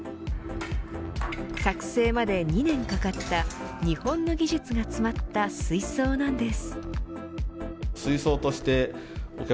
作成まで２年かかった日本の技術が詰まった水槽なんです。